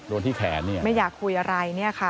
โดนที่แขนนี่ไม่อยากคุยอะไร